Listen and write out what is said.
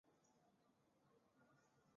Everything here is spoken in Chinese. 现在都倾向于大剂量治疗。